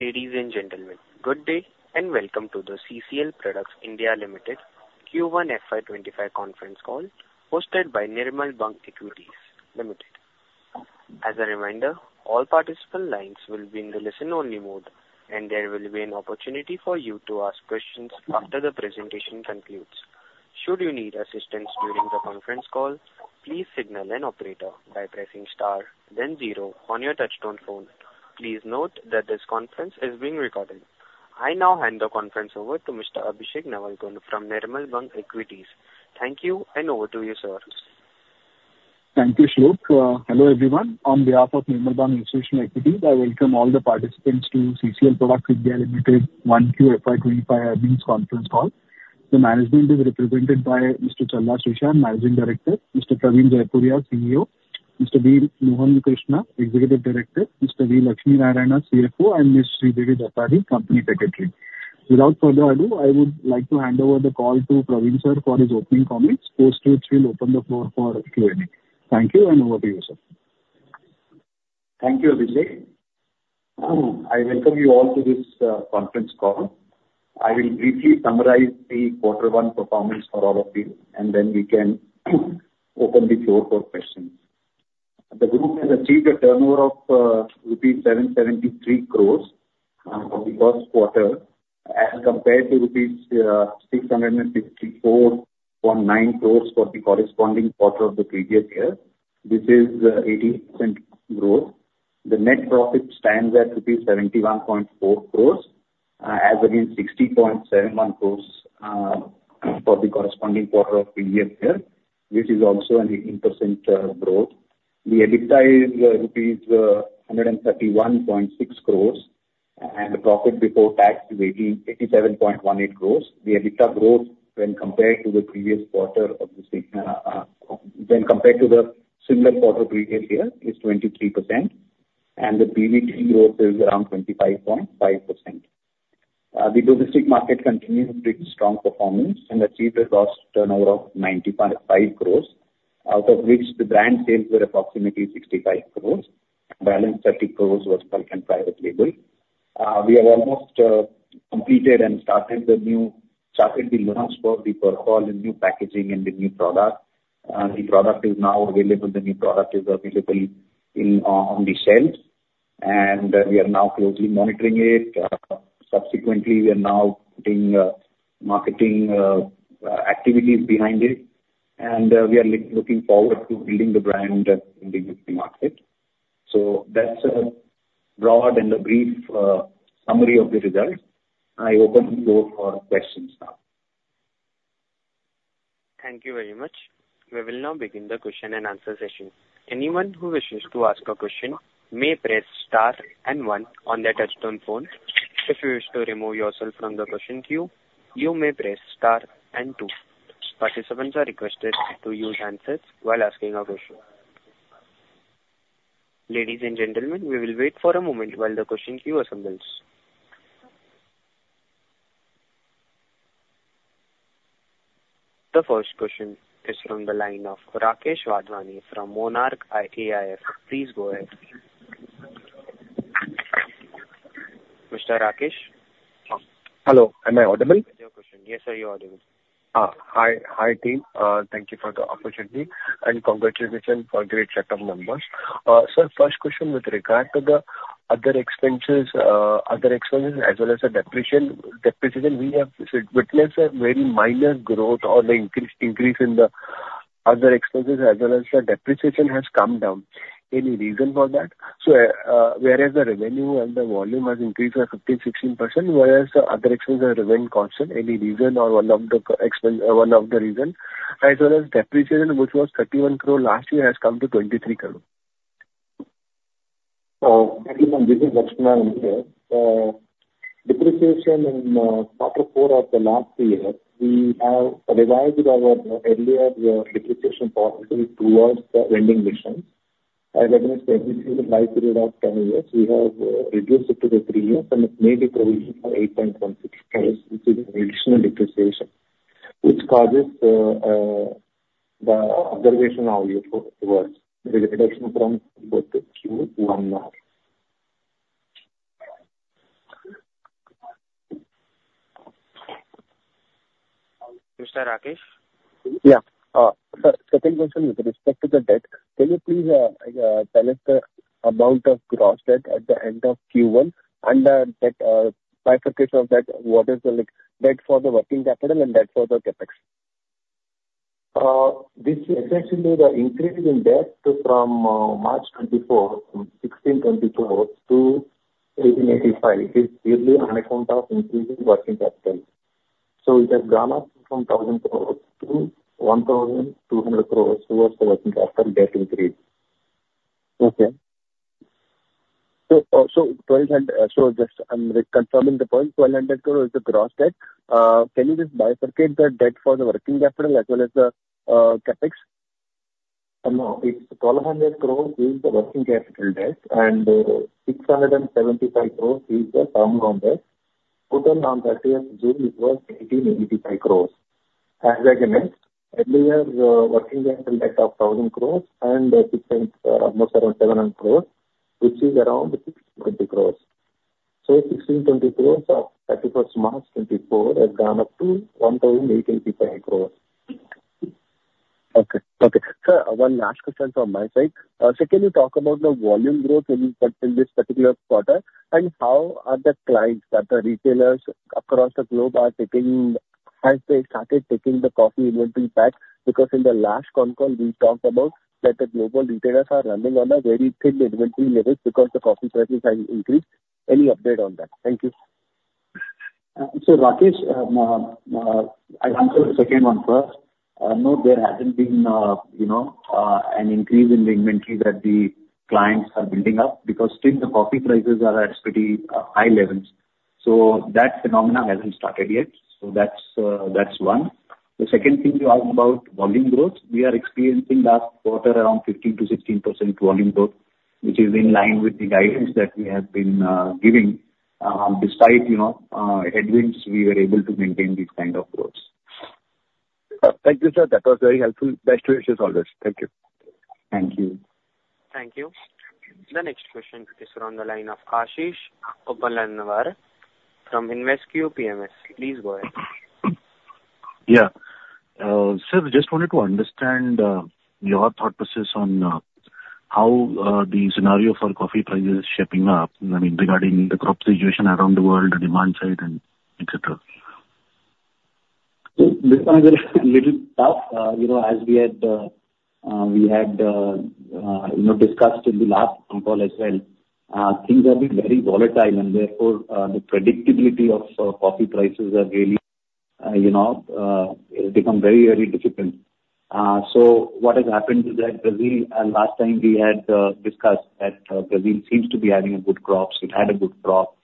Ladies and gentlemen, good day, and welcome to the CCL Products (India) Limited Q1 FY25 Conference Call, hosted by Nirmal Bang Equities Limited. As a reminder, all participant lines will be in the listen-only mode, and there will be an opportunity for you to ask questions after the presentation concludes. Should you need assistance during the conference call, please signal an operator by pressing star then zero on your touchtone phone. Please note that this conference is being recorded. I now hand the conference over to Mr. Abhishek Navalgund from Nirmal Bang Equities. Thank you, and over to you, sir. Thank you, Shlok. Hello, everyone. On behalf of Nirmal Bang Institutional Equities, I welcome all the participants to CCL Products (India) Limited 1Q FY25 Earnings Conference Call. The management is represented by Mr. Challa Srishant, Managing Director, Mr. Praveen Jaipuriar, CEO, Mr. V Mohanakrishna, Executive Director, Mr. V Laxmi Narayana, CFO, and Ms. Sridevi Dasari, Company Secretary. Without further ado, I would like to hand over the call to Praveen, sir, for his opening comments. Post which we'll open the floor for Q&A. Thank you, and over to you, sir. Thank you, Abhishek. I welcome you all to this conference call. I will briefly summarize the quarter one performance for all of you, and then we can open the floor for questions. The group has achieved a turnover of INR 773 crores for the first quarter as compared to INR 664.9 crores for the corresponding quarter of the previous year. This is 18% growth. The net profit stands at rupees 71.4 crores as against 60.71 crores for the corresponding quarter of previous year. This is also an 18% growth. The EBITDA is rupees 131.6 crores, and the profit before tax is 187.18 crores. The EBITDA growth when compared to the similar quarter previous year is 23%, and the PBT growth is around 25.5%. The domestic market continues to take strong performance and achieved a gross turnover of 90.5 crores, out of which the brand sales were approximately 65 crores, and balance 30 crores was bulk and private label. We have almost completed and started the launch for the Percol in new packaging and the new product. The new product is now available on the shelves, and we are now closely monitoring it. Subsequently, we are now doing marketing activities behind it, and we are looking forward to building the brand in the market. That's a broad and a brief summary of the results. I open the floor for questions now. Thank you very much. We will now begin the question-and-answer session. Anyone who wishes to ask a question may press star and one on their touch-tone phone. If you wish to remove yourself from the question queue, you may press star and two. Participants are requested to use handsets while asking a question. Ladies and gentlemen, we will wait for a moment while the question queue assembles. The first question is from the line of Rakesh Wadhwani from Monarch AIF. Please go ahead. Mr. Rakesh? Hello, am I audible? Yes, sir, you're audible. Hi, team. Thank you for the opportunity, and congratulations for the great set of numbers. So first question with regard to the other expenses, other expenses as well as the depreciation. Depreciation, we have witnessed a very minor growth or the increase in the other expenses as well as the depreciation has come down. Any reason for that? Whereas the revenue and the volume has increased by 15%-16%, whereas the other expenses have remained constant. Any reason or one of the reason, as well as depreciation, which was 31 crore last year, has come to 23 crore. Good evening, this is Laxmi Narayana here. Depreciation in quarter four of the last year, we have revised our earlier depreciation policy towards the vending machine. As I mentioned, the life period of 10 years, we have reduced it to the three years, and it made a provision for 8.16 crores, which is an additional depreciation, which causes the observation value to worsen, the reduction from Q1 now. Mr. Rakesh? Yeah. So, second question with respect to the debt. Can you please tell us the amount of gross debt at the end of Q1 and that bifurcation of that, what is the, like, debt for the working capital and debt for the CapEx? This is essentially the increase in debt from March 2024, from 1,624-1,885. It's really on account of increasing working capital. It has gone up from 1,000-1,200 crore towards the working capital debt increase. Okay. So, 1,200, so just I'm re-confirming the point, 1,200 crore is the gross debt. Can you just bifurcate the debt for the working capital as well as the CapEx? No. It's 1,200 crore is the working capital debt, and 675 crore is the term loan debt. Total as at June, it was INR 1,885 crore. As we earlier, working capital net of 1,000 crore and six point, almost around 700 crore, which is around 60 crore. So 1,620 crore of 31st March 2024 has gone up to 1,885 crore. Okay. Okay. Sir, one last question from my side. So can you talk about the volume growth in this particular quarter? And how are the clients that are retailers across the globe taking—as they started taking the coffee inventory back? Because in the last con call, we talked about that the global retailers are running on a very thin inventory levels because the coffee prices have increased. Any update on that? Thank you. So Rakesh, I'll answer the second one first. No, there hasn't been, you know, an increase in the inventory that the clients are building up, because still the coffee prices are at pretty high levels. So that phenomena hasn't started yet. So that's one. The second thing you asked about volume growth. We are experiencing last quarter around 15%-16% volume growth, which is in line with the guidance that we have been giving. Despite, you know, headwinds, we were able to maintain these kind of growths. Thank you, sir. That was very helpful. Best wishes always. Thank you. Thank you. Thank you. The next question is on the line of Aashish Upganlawar from InvesQ PMS. Please go ahead. Yeah. Sir, just wanted to understand your thought process on how the scenario for coffee prices is shaping up, I mean, regarding the crop situation around the world, the demand side, and et cetera? So this one is a little tough. You know, as we had discussed in the last con call as well, things have been very volatile, and therefore, the predictability of coffee prices are really, you know, it become very, very difficult. So what has happened is that Brazil, and last time we had discussed that, Brazil seems to be having a good crops. It had a good crop.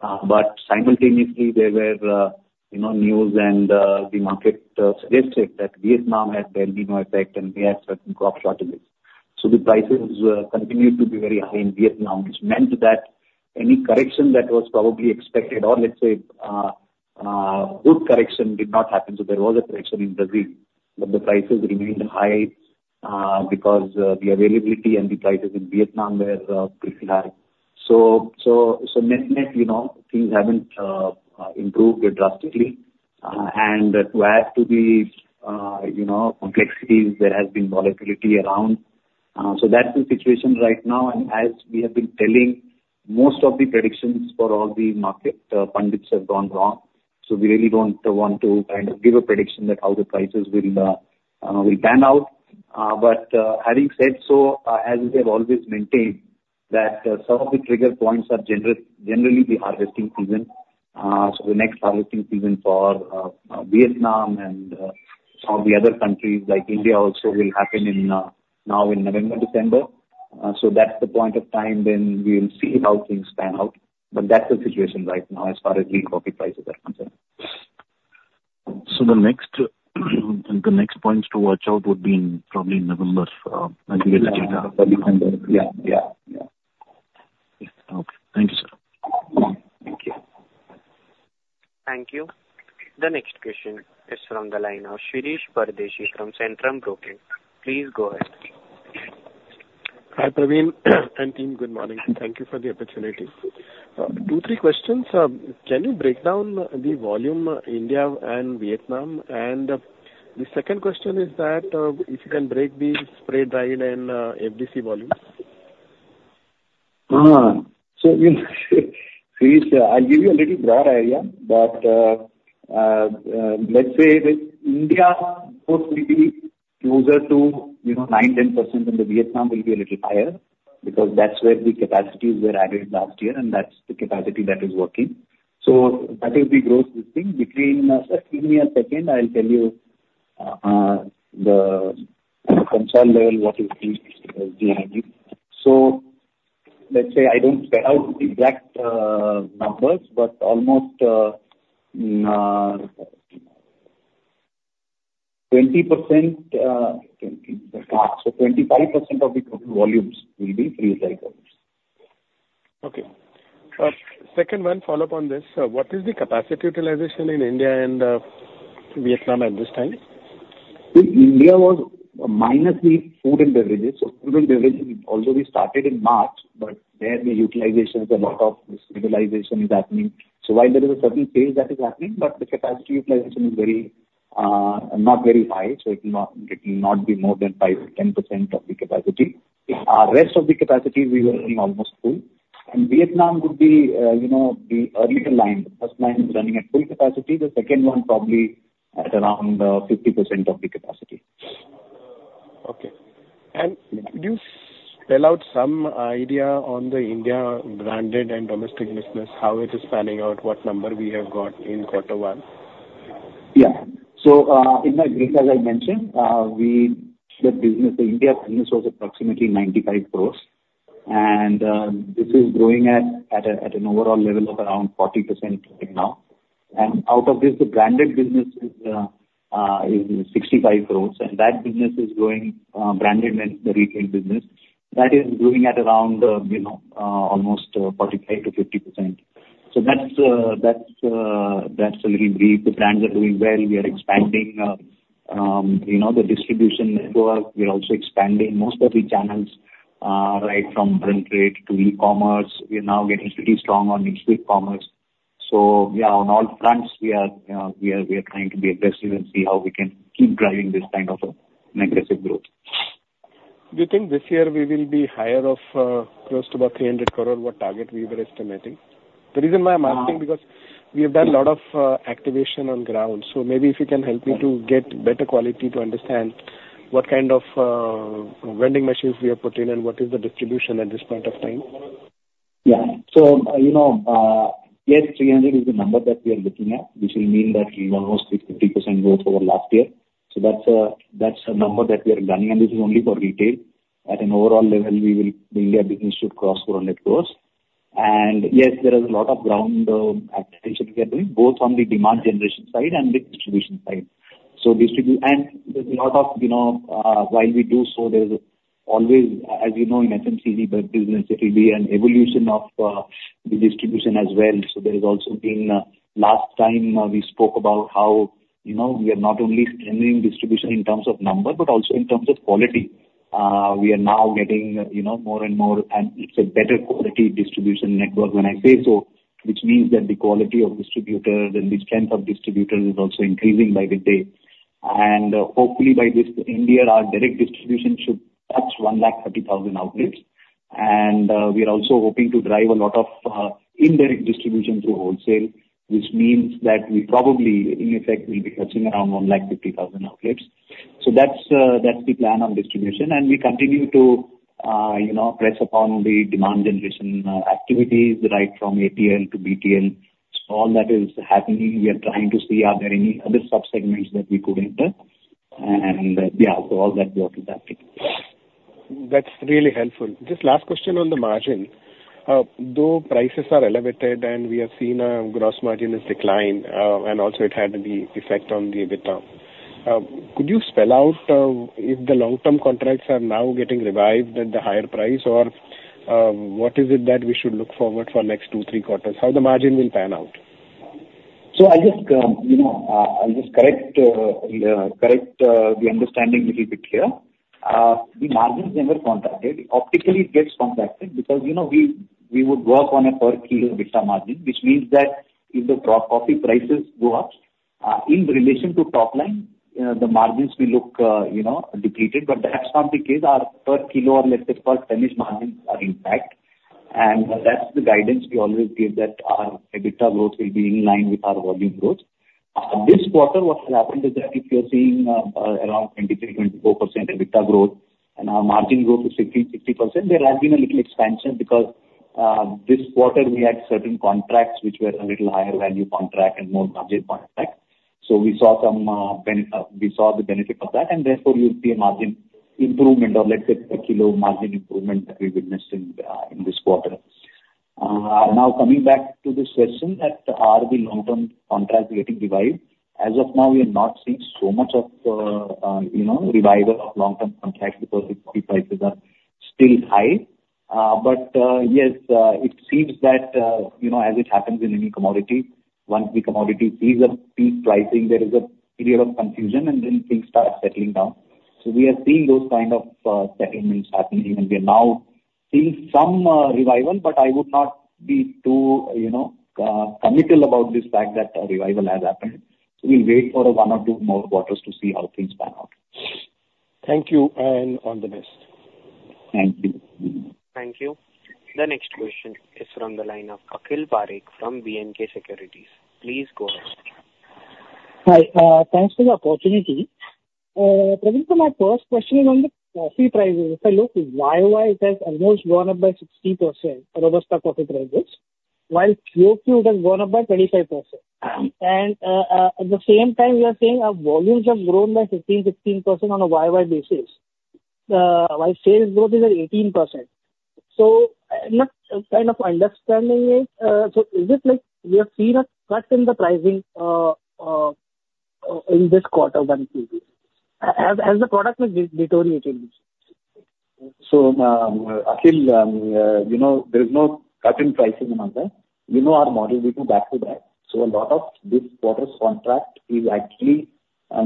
But simultaneously, there were, you know, news and the market suggested that Vietnam has been El Niño effect, and we had certain crop shortages. So the prices continued to be very high in Vietnam, which meant that any correction that was probably expected, or let's say, good correction did not happen. So there was a correction in Brazil, but the prices remained high because the availability and the prices in Vietnam were pretty high. So net-net, you know, things haven't improved drastically. And to add to the, you know, complexities, there has been volatility around. So that's the situation right now, and as we have been telling, most of the predictions for all the market pundits have gone wrong. So we really don't want to kind of give a prediction that how the prices will pan out. But having said so, as we have always maintained, that some of the trigger points are generally the harvesting season. The next harvesting season for Vietnam and some of the other countries, like India also, will happen now in November, December. That's the point of time when we will see how things pan out, but that's the situation right now as far as the coffee prices are concerned. The next points to watch out would be in probably November, and get the data. Yeah. Yeah, yeah. Okay. Thank you, sir. Thank you. Thank you. The next question is from the line of Shirish Pardeshi from Centrum Broking. Please go ahead. Hi, Praveen, and team, good morning. Thank you for the opportunity. two, three questions. Can you break down the volume India and Vietnam? And the second question is that, if you can break the spray-dried and FDC volume? So you please, I'll give you a little broad idea, but, let's say that India will be closer to, you know, nine, 10%, than Vietnam will be a little higher, because that's where the capacities were added last year, and that's the capacity that is working. So that is the growth we've seen between... Just give me a second, I'll tell you, the console level, what you see behind you. So let's say I don't spell out the exact numbers, but almost, 20%, so 25% of the total volumes will be freeze-dried. Okay. Second one, follow up on this. What is the capacity utilization in India and Vietnam at this time? India was minus the food and beverages. So food and beverages, although we started in March, but there the utilization, a lot of stabilization is happening. So while there is a certain change that is happening, but the capacity utilization is very, not very high, so it will not, it will not be more than 5%-10% of the capacity. Rest of the capacity we are running almost full. And Vietnam would be, you know, the earlier line, first line is running at full capacity, the second one probably at around, 50% of the capacity. Okay. Could you spell out some idea on the India branded and domestic business, how it is panning out, what number we have got in quarter one? Yeah. So, in my brief, as I mentioned, we, the business, the India business was approximately 95 crore. This is growing at an overall level of around 40% right now. Out of this, the branded business is 65 crore, and that business is growing, branded in the retail business. That is growing at around, you know, almost 45%-50%. So that's a little brief. The brands are doing well. We are expanding, you know, the distribution network. We are also expanding most of the channels, right from rural trade to e-commerce. We are now getting pretty strong on quick commerce. So yeah, on all fronts, we are trying to be aggressive and see how we can keep driving this kind of an aggressive growth. Do you think this year we will be higher of, close to about 300 crore, what target we were estimating? The reason why I'm asking, because we have done a lot of, activation on ground, so maybe if you can help me to get better quality to understand what kind of, vending machines we have put in and what is the distribution at this point of time. Yeah. So, you know, yes, 300 is the number that we are looking at, which will mean that we almost see 50% growth over last year. So that's, that's a number that we are running, and this is only for retail. At an overall level, we will, the India business should cross INR 400 crore. And yes, there is a lot of ground, activation we are doing, both on the demand generation side and the distribution side. And there's a lot of, you know, while we do so, there's always, as you know, in FMCG business, it will be an evolution of, the distribution as well. So there has also been. Last time, we spoke about how, you know, we are not only strengthening distribution in terms of number, but also in terms of quality. We are now getting, you know, more and more, and it's a better quality distribution network. When I say so, which means that the quality of distributors and the strength of distributors is also increasing by the day. And hopefully, by this end year, our direct distribution should touch 130,000 outlets. And we are also hoping to drive a lot of indirect distribution through wholesale, which means that we probably, in effect, will be touching around 150,000 outlets. So that's the plan on distribution. And we continue to, you know, press upon the demand generation activities, right from ATL to BTL. All that is happening. We are trying to see are there any other sub-segments that we could enter. And yeah, so all that goes with that. That's really helpful. Just last question on the margin. Though prices are elevated and we have seen a gross margin is declined, and also it had the effect on the EBITDA, could you spell out, if the long-term contracts are now getting revised at the higher price, or, what is it that we should look forward for next two, three quarters, how the margin will pan out? So I'll just, you know, I'll just correct the understanding little bit here. The margins never contracted. Optically, it gets contracted because, you know, we would work on a per kilo EBITDA margin, which means that if the crop coffee prices go up, in relation to top line, the margins will look, you know, depleted, but that's not the case. Our per kilo, or let's say, per finished margins are intact, and that's the guidance we always give, that our EBITDA growth will be in line with our volume growth. This quarter, what has happened is that if you're seeing around 23%-24% EBITDA growth and our margin growth is 15%-16%, there has been a little expansion because this quarter we had certain contracts which were a little higher value contract and more margin contract. So we saw some benefit of that, and therefore you'll see a margin improvement or, let's say, per kilo margin improvement that we witnessed in this quarter. Now, coming back to this question that are the long-term contracts getting revised? As of now, we are not seeing so much of you know, revival of long-term contracts because the coffee prices are still high. But yes, it seems that, you know, as it happens in any commodity, once the commodity sees a peak pricing, there is a period of confusion, and then things start settling down. So we are seeing those kind of settlements happening, and we are now seeing some revival, but I would not be too, you know, committal about this fact that a revival has happened. So we'll wait for one or two more quarters to see how things pan out. Thank you, and all the best. Thank you. Thank you. The next question is from the line of Akhil Parekh from B&K Securities. Please go ahead. Hi, thanks for the opportunity. Praveen, so my first question is on the coffee prices. If I look, Y-O-Y, it has almost gone up by 60%, robusta coffee prices, while Q-O-Q, it has gone up by 25%. And, at the same time, we are saying our volumes have grown by 15, 16% on a Y-O-Y basis, while sales growth is at 18%. So I'm not kind of understanding it. So is it like we have seen a cut in the pricing, in this quarter than previous? Has the product deteriorated? So, Akhil, you know, there is no cut in pricing as such. You know our model, we do back to back. So a lot of this quarter's contract is actually,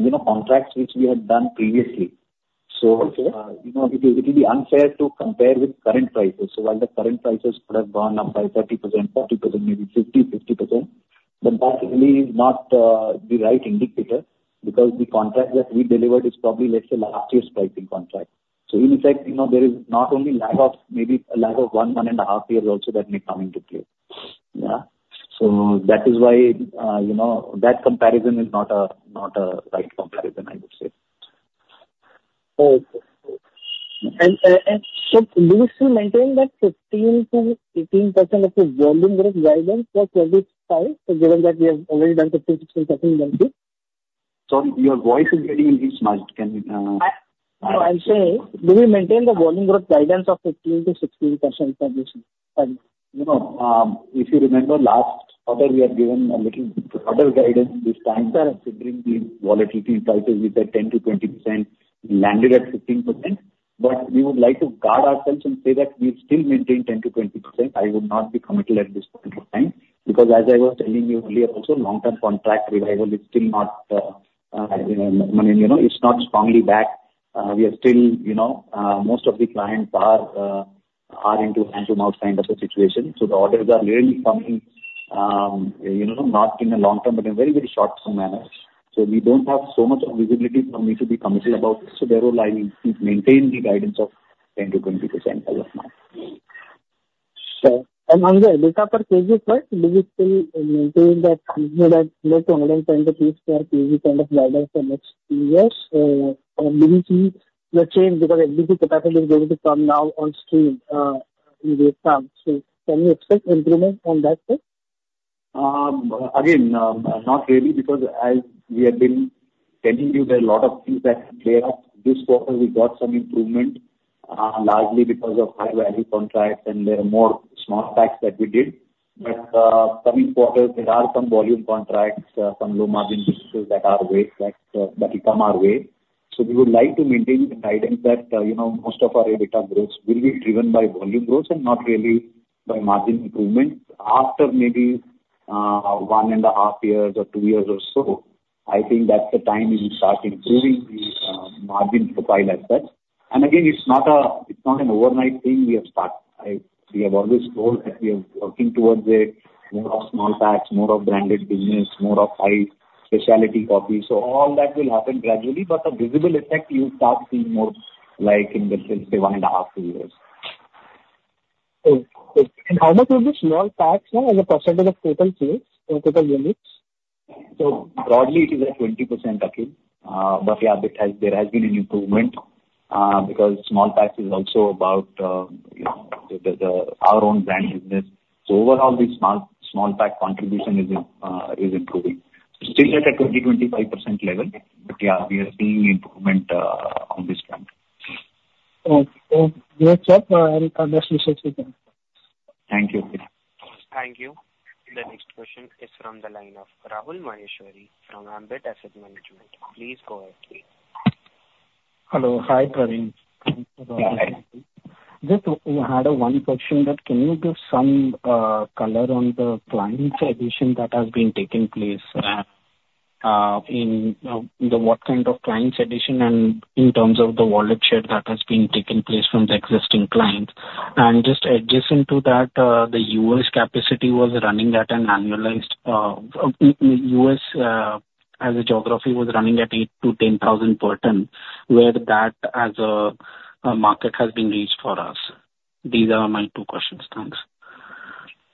you know, contracts which we had done previously. So, you know, it will be unfair to compare with current prices. So while the current prices could have gone up by 30%, 40%, maybe 50%, but that really is not the right indicator because the contract that we delivered is probably, let's say, last year's pricing contract. So in effect, you know, there is not only lag of maybe a lag of one, one and a half years also that may come into play. Yeah. So that is why, you know, that comparison is not a, not a right comparison, I would say. Okay. So do you still maintain that 15%-18% volume growth guidance for current year, given that we have already done 15%, 16% done this? Sorry, your voice is getting a little smashed. Can you? Do we maintain the volume growth guidance of 15%-16% for this year? You know, if you remember last quarter, we had given a little broader guidance. This times are considering the volatility in prices with the 10%-20%, landed at 15% but we would like to guard ourselves and say that we still maintain 10%-20%. I would not be committed at this point of time, because as I was telling you earlier, also, long-term contract revival is still not, you know, it's not strongly back. We are still, you know, most of the clients are, are into hand-to-mouth kind of a situation. So the orders are really coming, you know, not in a long term, but in very, very short term manner. So we don't have so much of visibility for me to be committed about this. Therefore, I will keep maintaining the guidance of 10%-20% as of now. Sure. And on the EBITDA per kg, right, do you still maintain that you had less than 110 basis points kind of guidance for next few years? And do you see a change, because capacity is going to come now on stream, in great time. So can we expect improvement on that side? Again, not really because as we have been telling you, there are a lot of things that can play out. This quarter, we got some improvement, largely because of high-value contracts, and there are more small packs that we did. But, coming quarters, there are some volume contracts, some low-margin businesses that come our way. So we would like to maintain the guidance that, you know, most of our EBITDA growth will be driven by volume growth and not really by margin improvement. After maybe, 1.5 years or two years or so, I think that's the time we will start improving the margin profile as such. And again, it's not an overnight thing we have started. We have always told that we are working towards it, more of small packs, more of branded business, more of high specialty coffee. So all that will happen gradually, but the visible effect you start seeing more like in let's say 1.5-2 years. Okay. How much will the small packs as a percentage of total sales or total units? So broadly, it is at 20%, Akhil. But yeah, there has been an improvement, because small packs is also about, you know, the our own brand business. So overall, the small pack contribution is improving. Still at a 20%-25% level, but yeah, we are seeing improvement on this front. Okay. Great job. I will cover this with you. Thank you. Thank you. The next question is from the line of Rahul Maheshwari from Ambit Asset Management. Please go ahead. Hello. Hi, Praveen. Hi. Just, I had one question, that can you give some color on the clients addition that has been taking place, in the what kind of clients addition and in terms of the wallet share that has been taking place from the existing clients? And just adjacent to that, the U.S. capacity was running at an annualized, U.S., as a geography, was running at 8,000-10,000 per ton, where that as a market has been reached for us. These are my two questions. Thanks.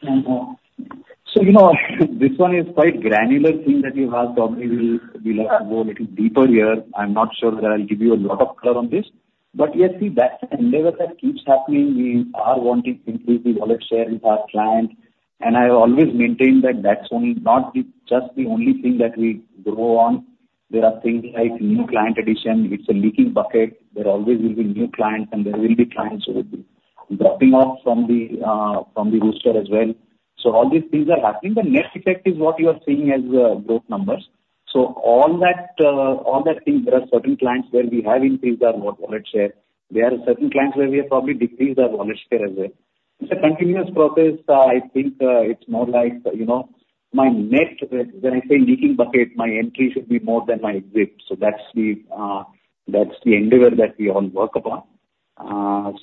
So, you know, this one is quite granular thing that you asked. Probably we'll have to go a little deeper here. I'm not sure that I'll give you a lot of color on this. But, yes, see, that's an endeavor that keeps happening. We are wanting to increase the wallet share with our clients, and I always maintain that that's only not the, just the only thing that we go on. There are things like new client addition. It's a leaking bucket. There always will be new clients, and there will be clients who will be dropping off from the roster as well. So all these things are happening. The net effect is what you are seeing as growth numbers. So all that things, there are certain clients where we have increased our wallet share. There are certain clients where we have probably decreased our wallet share as well. It's a continuous process. I think, it's more like, you know, my net, when I say leaking bucket, my entry should be more than my exit. So that's the, that's the endeavor that we all work upon.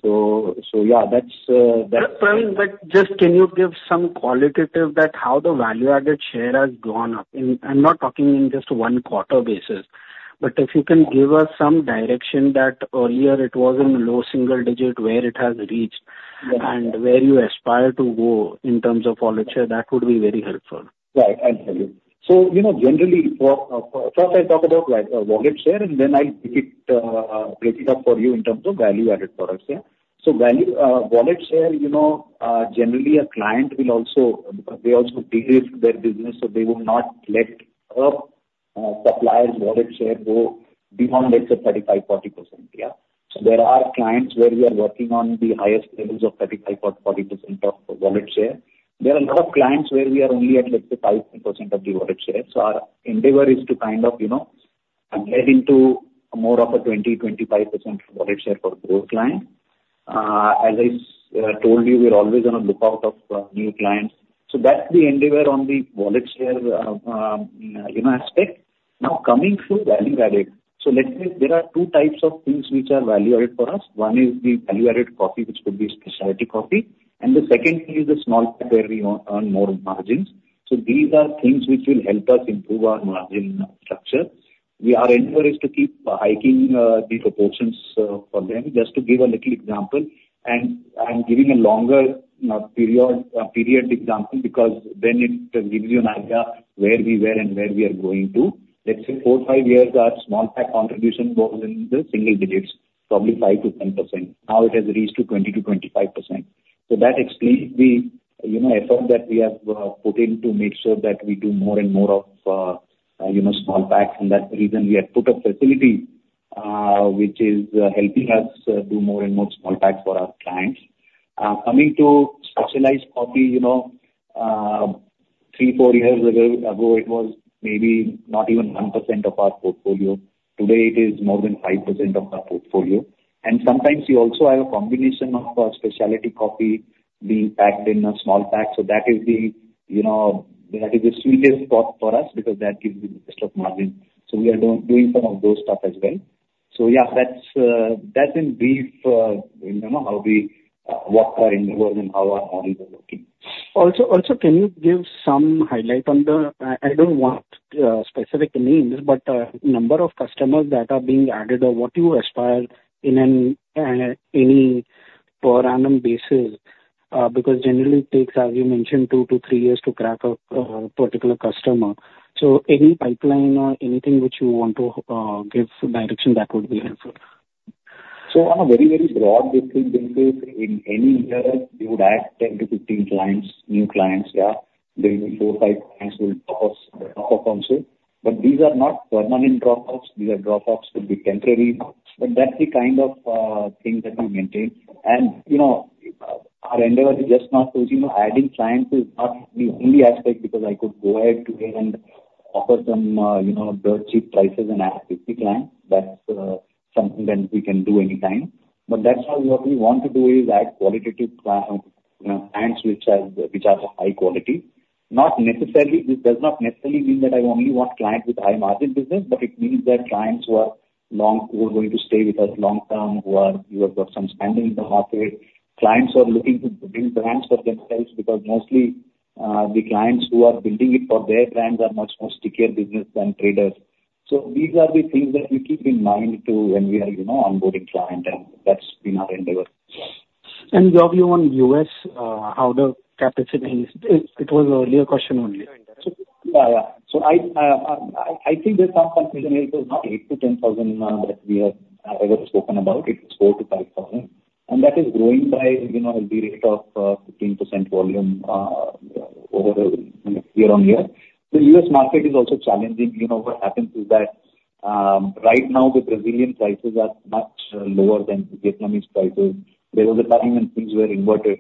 So, so yeah, that's, that- Praveen, but just can you give some qualitative about how the value-added share has gone up? I'm not talking in just one quarter basis, but if you can give us some direction that earlier it was in low single digit, where it has reached? Yeah. And where you aspire to go in terms of wallet share, that would be very helpful. Right. I'll tell you. So, you know, generally, first I'll talk about wallet share, and then I'll pick it, break it up for you in terms of value-added products. Yeah. So value wallet share, you know, generally a client will also. They also de-risk their business, so they will not let a supplier's wallet share go beyond, let's say, 35%-40%. Yeah? So there are clients where we are working on the highest levels of 35% or 40% of the wallet share. There are a lot of clients where we are only at, let's say, 5%-10% of the wallet share. So our endeavor is to kind of, you know, get into more of a 20%-25% wallet share for those clients. As I told you, we're always gonna look out of new clients. So that's the endeavor on the wallet share, you know, aspect. Now, coming to value-added. So let's say there are two types of things which are value-added for us. One is the value-added coffee, which could be specialty coffee, and the second thing is the small pack, where we earn more margins. So these are things which will help us improve our margin structure. We are encouraged to keep hiking the proportions for them. Just to give a little example, and I'm giving a longer period example, because then it gives you an idea where we were and where we are going to. Let's say 4-5 years, our small pack contribution was in the single digits, probably 5%-10%. Now it has reached to 20%-25%. So that explains the, you know, effort that we have put in to make sure that we do more and more of, you know, small packs. And that's the reason we have put a facility, which is helping us do more and more small packs for our clients. Coming to specialized coffee, you know, three, four years ago, it was maybe not even 1% of our portfolio. Today, it is more than 5% of our portfolio. And sometimes you also have a combination of, specialty coffee being packed in a small pack, so that is the, you know, that is the sweetest spot for us because that gives you the best of margin. So we are doing some of those stuff as well. So yeah, that's in brief, you know, how we what our endeavors and how our margins are looking. Also, can you give some highlight on the, I don't want specific names, but number of customers that are being added or what you aspire in an any per annum basis, because generally it takes, as you mentioned, 2-3 years to crack a particular customer. So any pipeline or anything which you want to give direction, that would be helpful. So on a very, very broad basis, in any year, we would add 10-15 clients, new clients, yeah. Maybe 4-5 clients will drop off also. But these are not permanent dropoffs, these are dropoffs could be temporary. But that's the kind of thing that we maintain. And, you know, our endeavor is just not, as you know, adding clients is not the only aspect, because I could go ahead today and offer some, you know, dirt cheap prices and add 50 clients. That's something that we can do anytime. But that's not what we want to do is add qualitative clients which are, which are of high quality. Not necessarily, it does not necessarily mean that I only want clients with high margin business, but it means that clients who are long, who are going to stay with us long term, who are, who have got some spending in the market. Clients who are looking to build brands for themselves, because mostly, the clients who are building it for their brands are much more stickier business than traders. So these are the things that we keep in mind to when we are, you know, onboarding client, and that's been our endeavor. Your view on U.S., how the capacity is. It was earlier question only. So, yeah, yeah. So I think there's some confusion. It was not 8-10 thousand that we have ever spoken about. It was 4-5 thousand, and that is growing by, you know, the rate of 15% volume over year-on-year. The U.S. market is also challenging. You know, what happens is that right now, the Brazilian prices are much lower than Vietnamese prices. There was a time when things were inverted.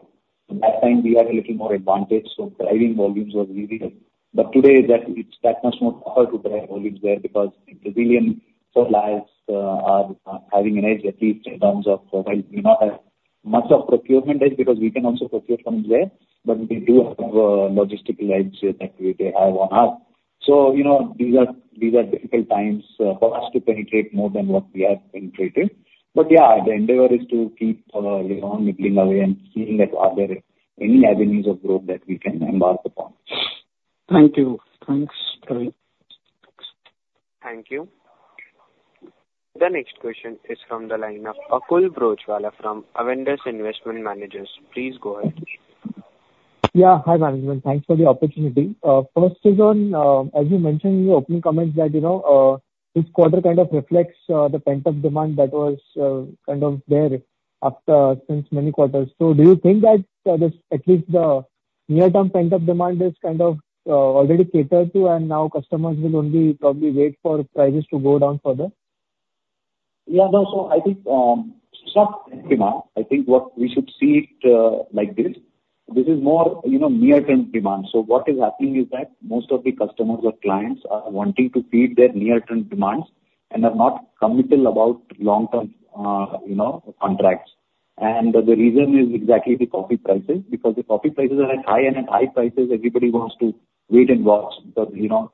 At that time, we had a little more advantage, so driving volumes was easier. But today, that it's that much more tougher to drive volumes there because Brazilian suppliers are having an edge, at least in terms of well, not much of procurement edge, because we can also procure from there, but they do have logistical edge that they have on us. You know, these are, these are difficult times for us to penetrate more than what we have penetrated. But yeah, the endeavor is to keep, you know, nibbling away and seeing that are there any avenues of growth that we can embark upon. Thank you. Thanks. Thank you. The next question is from the line of Akul Broachwala from Avendus Investment Managers. Please go ahead. Yeah. Hi, management. Thanks for the opportunity. First is on, as you mentioned in your opening comments, that, you know, this quarter kind of reflects, the pent-up demand that was, kind of there after since many quarters. So do you think that, this, at least the near-term pent-up demand is kind of, already catered to, and now customers will only probably wait for prices to go down further? Yeah, no, so I think it's not pent-up demand. I think what we should see it like this, this is more, you know, near-term demand. So what is happening is that most of the customers or clients are wanting to feed their near-term demands and are not committal about long-term, you know, contracts. And the reason is exactly the coffee prices, because the coffee prices are at high, and at high prices, everybody wants to wait and watch. But, you know,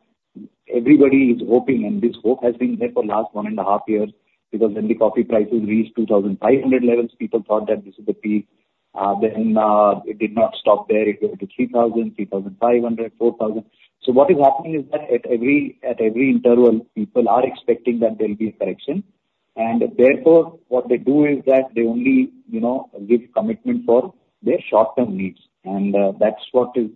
everybody is hoping, and this hope has been there for last one and a half years because when the coffee prices reached $2,500 levels, people thought that this is the peak. Then it did not stop there. It went to $3,000, $3,500, $4,000. So what is happening is that at every interval, people are expecting that there will be a correction. And therefore, what they do is that they only, you know, give commitment for their short-term needs. And that's what is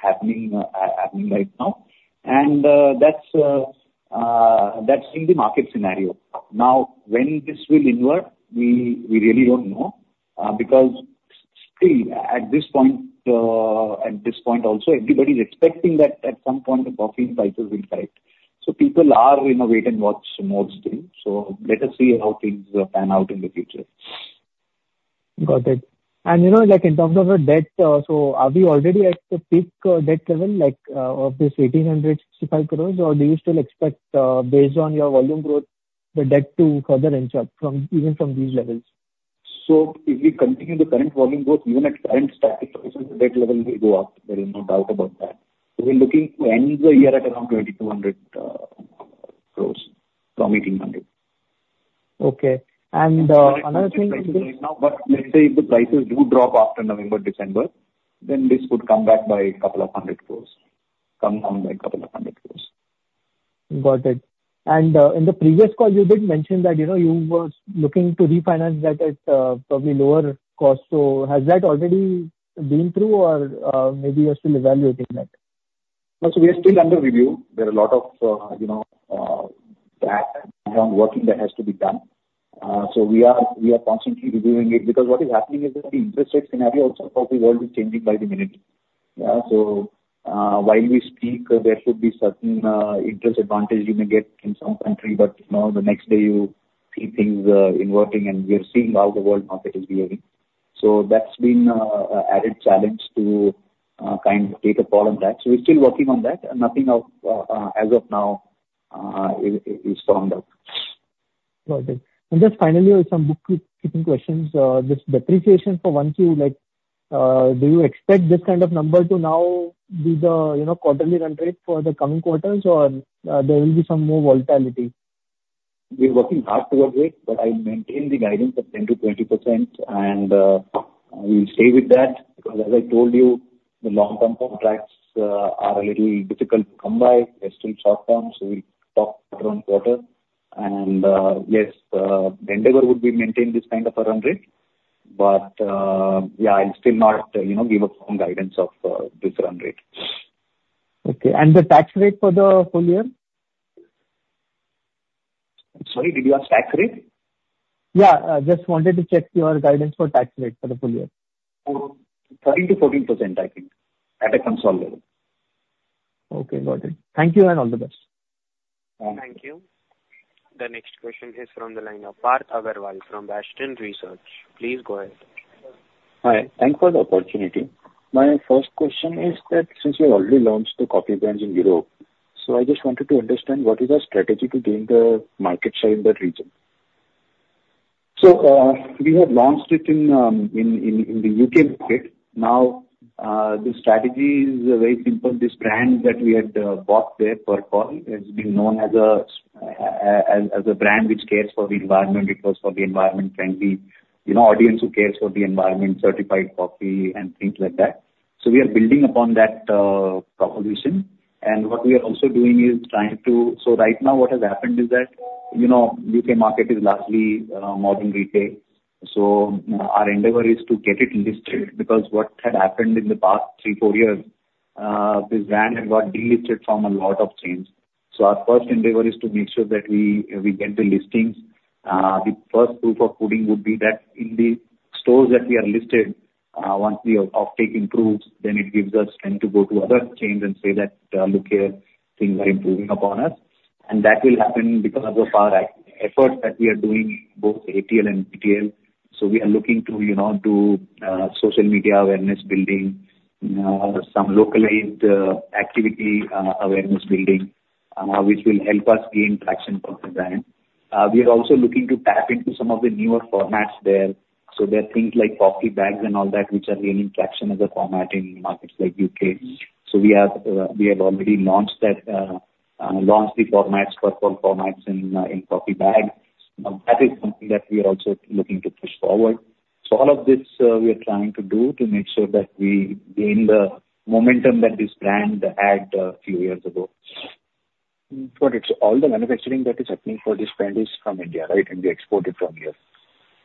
happening right now. And that's in the market scenario. Now, when this will invert, we really don't know, because still at this point, at this point also, everybody is expecting that at some point the coffee prices will correct. So people are in a wait-and-watch mode still. So let us see how things pan out in the future. Got it. And, you know, like, in terms of the debt, so are we already at the peak debt level, like, of this 1,865 crores, or do you still expect, based on your volume growth, the debt to further inch up from, even from these levels? So if we continue the current volume growth, even at current static positions, the debt level will go up. There is no doubt about that. We're looking to end the year at around 2,200 crores from 1,800 crores. Okay. And, another thing. Let's say if the prices do drop after November, December, then this would come back by 200 crore, come down by 200 crore. Got it. In the previous call, you did mention that, you know, you was looking to refinance that at, probably lower cost. Has that already been through or, maybe you're still evaluating that? No, so we are still under review. There are a lot of, you know, background working that has to be done. So we are, we are constantly reviewing it because what is happening is that the interest rate scenario also across the world is changing by the minute. Yeah, so, while we speak, there should be certain, interest advantage you may get in some country, but, you know, the next day you see things, inverting, and we are seeing how the world market is behaving. So that's been, a added challenge to, kind of take a call on that. So we're still working on that, and nothing of, as of now, is, is formed out. Got it. Just finally, some bookkeeping questions. This depreciation for Q1 you like, do you expect this kind of number to now be the, you know, quarterly run rate for the coming quarters, or, there will be some more volatility? We're working hard towards it, but I maintain the guidance of 10%-20%, and we'll stay with that, because as I told you, the long-term contracts are a little difficult to come by. They're still short term, so we talk quarter-on-quarter and yes, the endeavor would be maintain this kind of a run rate. But yeah, I'll still not, you know, give a firm guidance of this run rate. Okay. And the tax rate for the full year? I'm sorry, did you ask tax rate? Yeah, I just wanted to check your guidance for tax rate for the full year. Oh, 13%-14%, I think, at a consolidated. Okay, got it. Thank you, and all the best. Thank you. Thank you. The next question is from the line of Parth Agarwal from Bastion Research. Please go ahead. Hi, thank you for the opportunity. My first question is that since you have already launched the coffee brands in Europe, so I just wanted to understand what is your strategy to gain the market share in that region? So, we have launched it in the U.K. market. Now, the strategy is very simple. This brand that we had bought there, Percol, has been known as a brand which cares for the environment. It was for the environment-friendly, you know, audience who cares for the environment, certified coffee and things like that. So we are building upon that proposition, and what we are also doing is trying to. So right now, what has happened is that, you know, U.K. market is largely modern retail. So our endeavor is to get it listed, because what had happened in the past 3-4 years, this brand had got delisted from a lot of chains. So our first endeavor is to make sure that we get the listings. The first proof of pudding would be that in the stores that we are listed, once the offtake improves, then it gives us time to go to other chains and say that, "Look here, things are improving upon us." And that will happen because of our efforts that we are doing in both ATL and BTL. So we are looking to, you know, do social media awareness building, some localized activity, awareness building, which will help us gain traction for the brand. We are also looking to tap into some of the newer formats there, so there are things like coffee bags and all that, which are gaining traction as a format in markets like U.K. So we have already launched that, launched the formats, Percol formats in coffee bags. Now, that is something that we are also looking to push forward. So all of this, we are trying to do to make sure that we gain the momentum that this brand had, a few years ago. Got it. So all the manufacturing that is happening for this brand is from India, right? And be exported from here.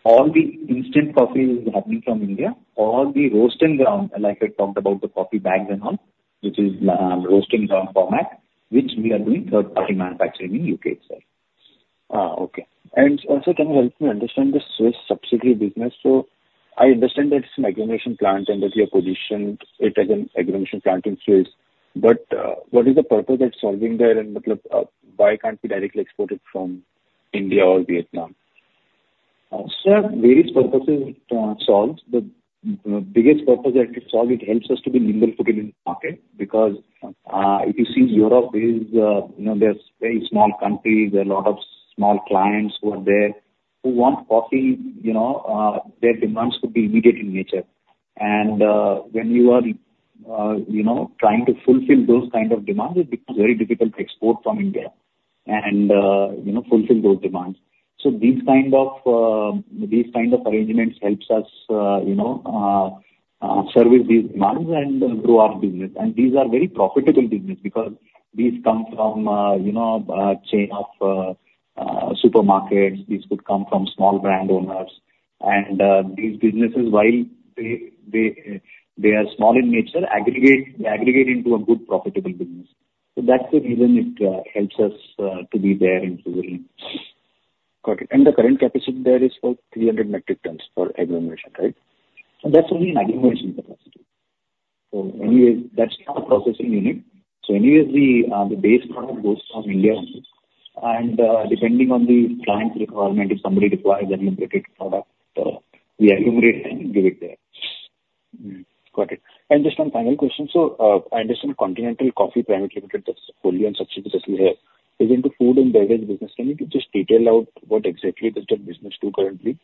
All the instant coffee is happening from India. All the roast and ground, like I talked about the coffee bags and all, which is, roast and ground format, which we are doing third-party manufacturing in U.K. itself. Ah, okay. And also, can you help me understand the Swiss subsidiary business? So I understand that it's an agglomeration plant, and that you have positioned it as an agglomeration plant in Switzerland. But, what is the purpose that's solving there, and why can't we directly export it from India or Vietnam? So various purposes, it solves. The biggest purpose that it solves, it helps us to be nimble-footed in the market, because if you see Europe is, you know, there's very small countries, there are a lot of small clients who are there, who want coffee, you know, their demands could be immediate in nature. And when you are, you know, trying to fulfill those kind of demands, it becomes very difficult to export from India and, you know, fulfill those demands. So these kind of arrangements helps us, you know, service these demands and grow our business. And these are very profitable business because these come from, you know, chain of supermarkets. These could come from small brand owners. These businesses, while they are small in nature, aggregate. They aggregate into a good profitable business. So that's the reason it helps us to be there in Zurich. Got it. The current capacity there is about 300 metric tons for agglomeration, right? That's only in agglomeration capacity. So anyways, that's not a processing unit. So anyways, the base product goes from India only. And depending on the client's requirement, if somebody requires agglomerated product, we agglomerate and give it there. Hmm. Got it. And just one final question. So, I understand Continental Coffee Private Limited, that's fully and successfully here, is into food and beverage business. Can you just detail out what exactly does that business do currently?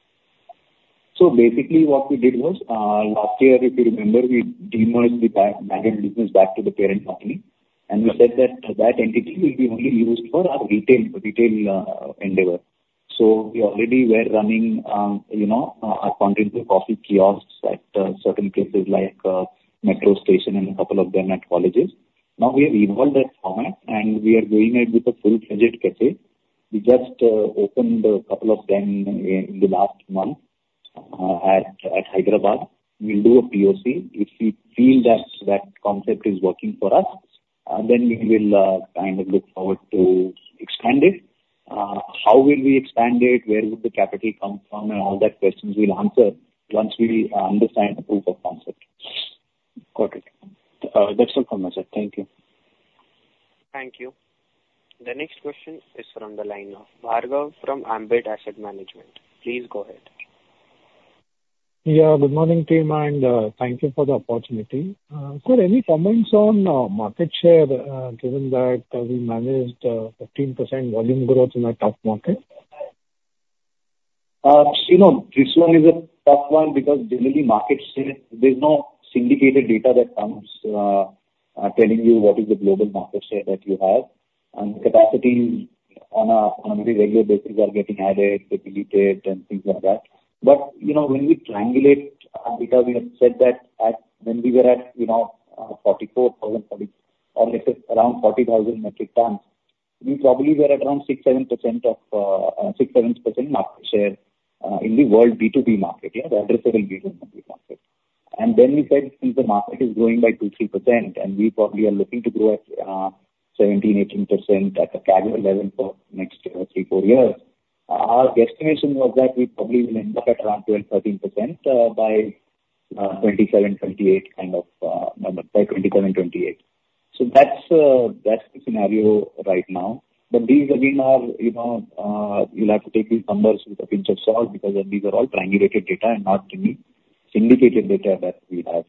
So basically, what we did was, last year, if you remember, we demerged the beverage business back to the parent company, and we said that that entity will be only used for our retail, retail, endeavor. So we already were running, you know, our Continental Coffee kiosks at certain places like, metro station and a couple of them at colleges. Now we have evolved that format, and we are doing it with a full-fledged cafe. We just opened a couple of them in the last month, at Hyderabad. We'll do a POC. If we feel that that concept is working for us, then we will, kind of look forward to expand it. How will we expand it? Where would the capital come from? All that questions we'll answer once we understand the proof of concept. Got it. That's all from myself. Thank you. Thank you. The next question is from the line of Bhargav from Ambit Capital. Please go ahead. Yeah, good morning, team, and thank you for the opportunity. Sir, any comments on market share, given that we managed 13% volume growth in a tough market? You know, this one is a tough one because generally market share, there's no syndicated data that comes, telling you what is the global market share that you have. And capacities on a regular basis are getting added, get deleted, and things like that. But, you know, when we triangulate, because we have said that at, when we were at, you know, 44,000 or let's say around 40,000 metric tons, we probably were at around 6%-7% of, 6%-7% market share, in the world B2B market, yeah? The addressable B2B market. Then we said since the market is growing by 2%-3%, and we probably are looking to grow at 17%-18% at a CAGR level for next 3-4 years, our guesstimation was that we probably will end up at around 12%-13% by 2027-2028 kind of number by 2027-2028. So that's the scenario right now. But these again are, you know, you'll have to take these numbers with a pinch of salt, because these are all triangulated data and not any syndicated data that we have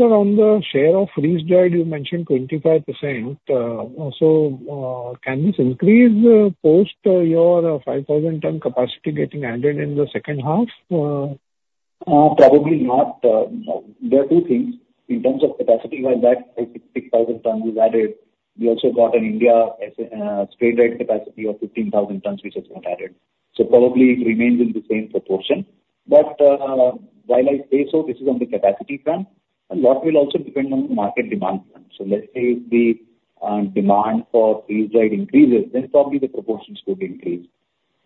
with us upon. Sir, on the share of freeze-dried, you mentioned 25%. So, can this increase post your 5,000-ton capacity getting added in the second half? Probably not. There are two things. In terms of capacity, while that 6,000 tons is added, we also got an Indian spray-dried capacity of 15,000 tons, which is not added. So probably it remains in the same proportion. But while I say so, this is on the capacity front, a lot will also depend on the market demand front. So let's say if the demand for freeze-dried increases, then probably the proportions would increase.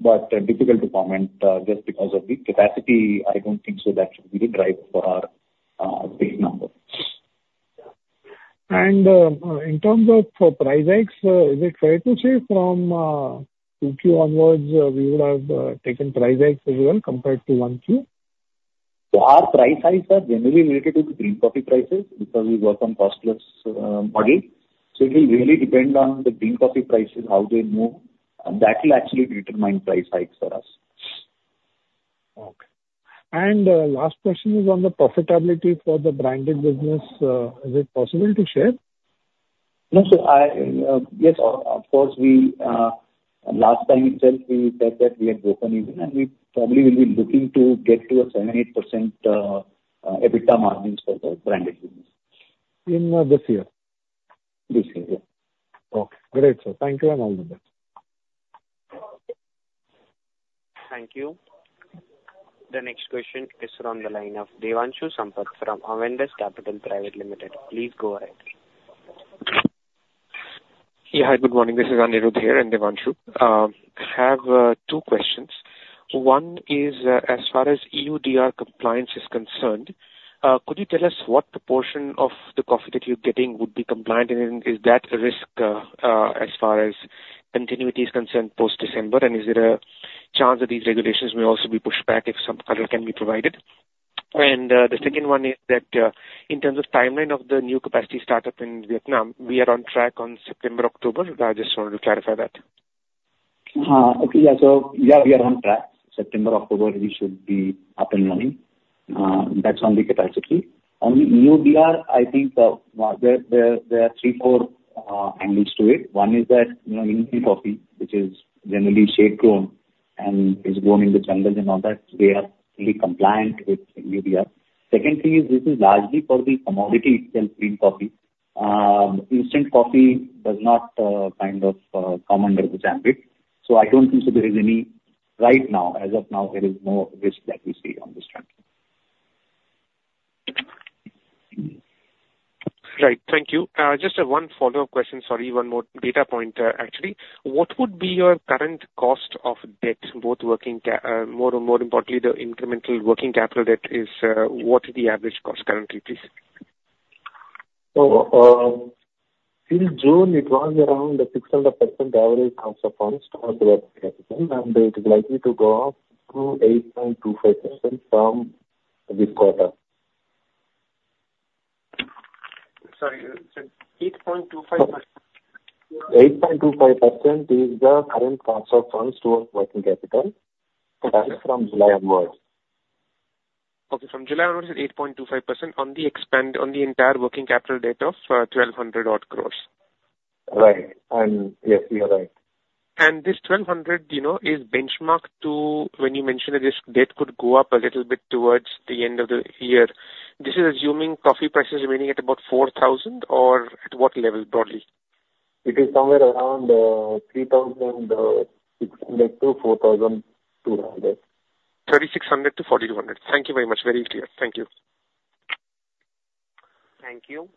But difficult to comment just because of the capacity, I don't think so that should be the drive for our base number. In terms of price hikes, is it fair to say from 2Q onwards we would have taken price hikes as well compared to 1Q? So our price hikes are generally related to the green coffee prices, because we work on cost-plus model. So it will really depend on the green coffee prices, how they move, and that will actually determine price hikes for us. Okay. And, last question is on the profitability for the branded business. Is it possible to share? No, so I, yes, of course, we last time itself we said that we had broken even, and we probably will be looking to get to 7%-8% EBITDA margins for the branded business. In this year? This year, yeah. Okay. Great, sir. Thank you and all the best. Thank you. The next question is on the line of Devanshu Sampat from Avendus Capital Private Limited. Please go ahead. Yeah, hi, good morning. This is Anirudh here and Devanshu. Have two questions. One is, as far as EUDR compliance is concerned, could you tell us what proportion of the coffee that you're getting would be compliant, and then is that a risk, as far as continuity is concerned post-December? And is there a chance that these regulations may also be pushed back, if some color can be provided? And, the second one is that, in terms of timeline of the new capacity startup in Vietnam, we are on track on September, October? I just wanted to clarify that. Okay. Yeah, so yeah, we are on track. September, October, we should be up and running. That's on the capacity. On the EUDR, I think, there are three, four angles to it. One is that, you know, Indian coffee, which is generally shade-grown and is grown in the jungles and all that, we are fully compliant with EUDR. Second thing is this is largely for the commodity itself, green coffee. Instant coffee does not kind of come under this ambit. So I don't think so there is any... Right now, as of now, there is no risk that we see on this front. Right. Thank you. Just one follow-up question. Sorry, one more data point, actually. What would be your current cost of debt, both working capital, more importantly, the incremental working capital debt is, what is the average cost currently, please? In June it was around 6% average cost of funds towards working capital, and it is likely to go up to 8.25% from this quarter. Sorry, you said 8.25%? 8.25% is the current cost of funds towards working capital. That is from July onwards. Okay. From July onwards, it's 8.25% on the entire working capital debt of 1,200-odd crores. Right. Yes, you are right. This 1,200, you know, is benchmarked to when you mentioned that this debt could go up a little bit towards the end of the year. This is assuming coffee prices remaining at about $4,000, or at what level, broadly? It is somewhere around 3,600-4,200. 3,600-4,200. Thank you very much. Very clear. Thank you. Thank you.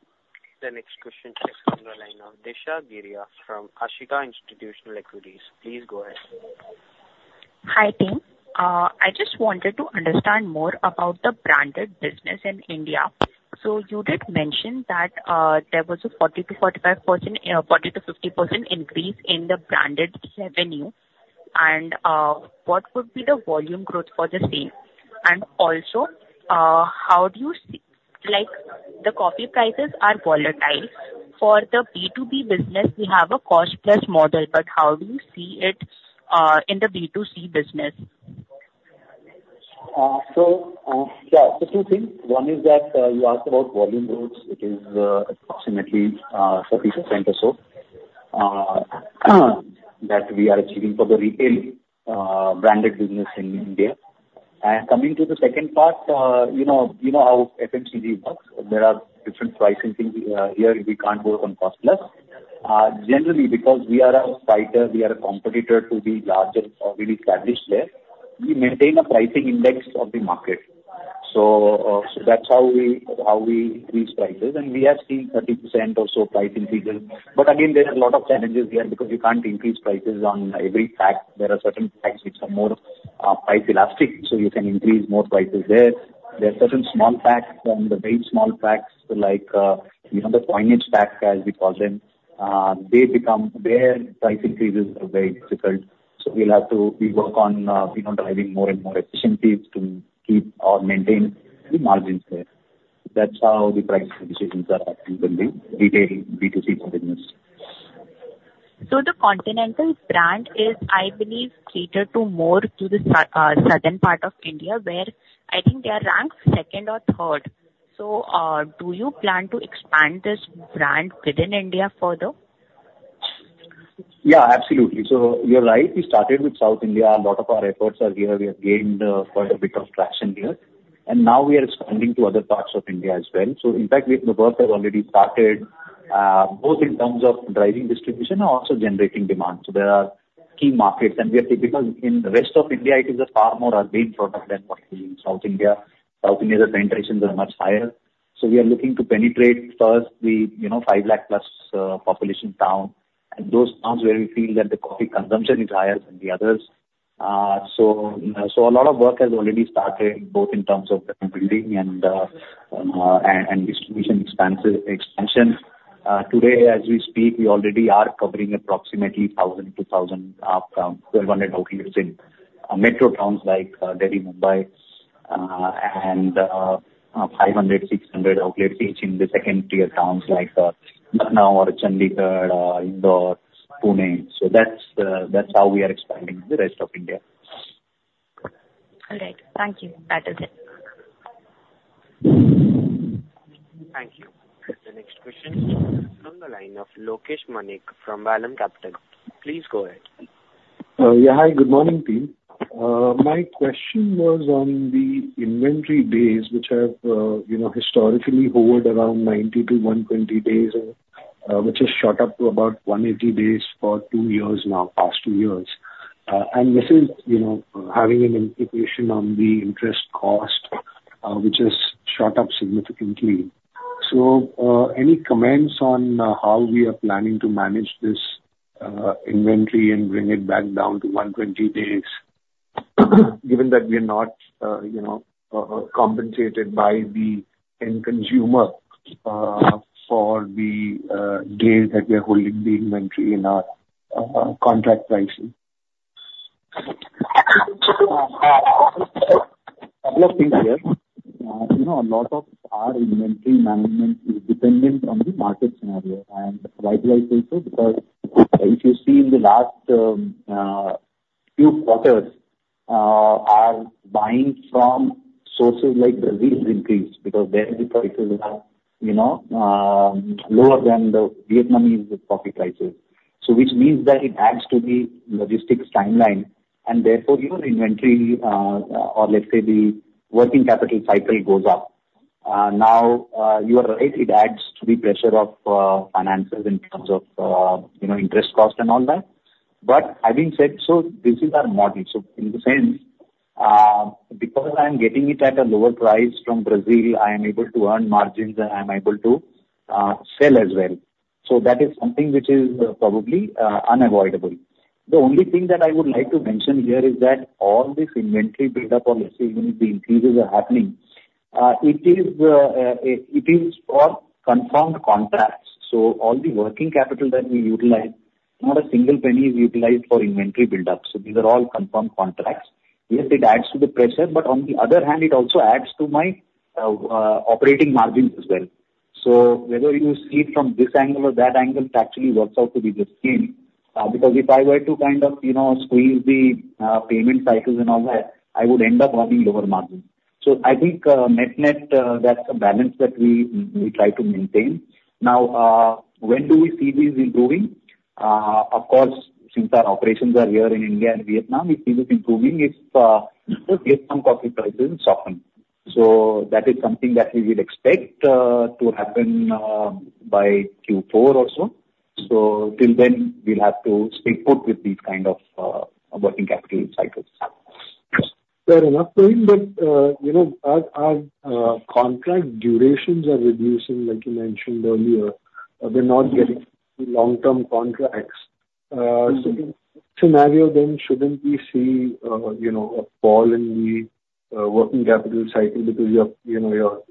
The next question is on the line of Disha Giria from Ashika Institutional Equities. Please go ahead. Hi, team. I just wanted to understand more about the branded business in India. So you did mention that there was a 40%-45%, 40%-50% increase in the branded revenue, and what would be the volume growth for the same? And also, how do you see, like, the coffee prices are volatile. For the B2B business, we have a cost plus model, but how do you see it in the B2C business? So, yeah, just two things. One is that, you asked about volume growth, which is, approximately, 30% or so, that we are achieving for the retail, branded business in India. And coming to the second part, you know, you know, how FMCG works. There are different pricing things. Here we can't work on cost plus. Generally, because we are a fighter, we are a competitor to the larger or really established player, we maintain a pricing index of the market. So, so that's how we, how we increase prices, and we are seeing 30% or so price increases. But again, there are a lot of challenges here because you can't increase prices on every pack. There are certain packs which are more, price elastic, so you can increase more prices there. There are certain small packs, from the very small packs to, like, you know, the coinage packs, as we call them. They become, their price increases are very difficult. So we'll have to, we work on, you know, driving more and more efficiencies to keep or maintain the margins there. That's how the pricing decisions are taken in the retail B2C business. So the Continental brand is, I believe, catered to more to the southern part of India, where I think they are ranked second or third. So, do you plan to expand this brand within India further? Yeah, absolutely. So you're right. We started with South India. A lot of our efforts are here. We have gained quite a bit of traction here, and now we are expanding to other parts of India as well. So in fact, the work has already started both in terms of driving distribution and also generating demand. So there are key markets and we are typical in the rest of India, it is a far more urban product than what is in South India. South India, the penetrations are much higher. So we are looking to penetrate first the, you know, 5 lakh plus population town, and those towns where we feel that the coffee consumption is higher than the others. So a lot of work has already started, both in terms of the building and distribution expansion. Today, as we speak, we already are covering approximately 1,000-1,200 outlets in metro towns like Delhi, Mumbai, and 500-600 outlets each in the second tier towns like Lucknow or Chandigarh, Indore, Pune. So that's how we are expanding the rest of India. All right. Thank you. That is it. Thank you. The next question is from the line of Lokesh Manik from Vallum Capital. Please go ahead. Yeah. Hi, good morning, team. My question was on the inventory days, which have, you know, historically hovered around 90-120 days, which has shot up to about 180 days for two years now, past two years. And this is, you know, having an implication on the interest cost, which has shot up significantly. So, any comments on how we are planning to manage this inventory and bring it back down to 120 days, given that we are not, you know, compensated by the end consumer for the days that we are holding the inventory in our contract pricing? A couple of things here. You know, a lot of our inventory management is dependent on the market scenario, and why do I say so? Because if you see in the last few quarters, our buying from sources like Brazil increased because there the prices are, you know, lower than the Vietnamese coffee prices. So which means that it adds to the logistics timeline, and therefore, your inventory, or let's say the working capital cycle, goes up. Now, you are right, it adds to the pressure of finances in terms of, you know, interest cost and all that. But having said, so this is our model. So in the sense, because I'm getting it at a lower price from Brazil, I am able to earn margins and I'm able to sell as well. So that is something which is, probably, unavoidable. The only thing that I would like to mention here is that all this inventory buildup, or let's say, even the increases are happening, it is for confirmed contracts. So all the working capital that we utilize, not a single penny is utilized for inventory buildup. So these are all confirmed contracts. Yes, it adds to the pressure, but on the other hand, it also adds to my, operating margins as well. So whether you see it from this angle or that angle, it actually works out to be the same. Because if I were to kind of, you know, squeeze the, payment cycles and all that, I would end up having lower margins. So I think, net-net, that's a balance that we try to maintain. Now, when do we see this improving? Of course, since our operations are here in India and Vietnam, we see this improving if, if some coffee prices soften. So that is something that we will expect to happen by Q4 or so. So till then, we'll have to stay put with these kind of working capital cycles. Fair enough point, but, you know, our contract durations are reducing, like you mentioned earlier. We're not getting long-term contracts. So scenario then, shouldn't we see, you know, a fall in the working capital cycle because you have, you know,